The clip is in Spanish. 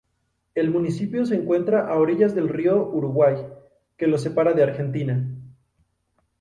El municipio se encuentra a orillas del río Uruguay, que lo separa de Argentina.